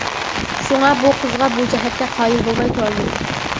شۇڭا بۇ قىزغا بۇ جەھەتتە قايىل بولماي تۇرالمىدىم.